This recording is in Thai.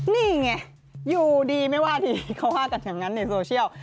นี่ไงอยู่ดีไม่ว่าดีเขาว่ากันอย่างนั้นในโซเชียล